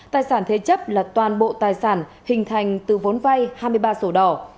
tài sản thế chấp là toàn bộ tài sản hình thành từ vốn vay hai mươi ba sổ đỏ